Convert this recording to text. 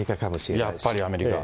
やっぱりアメリカ。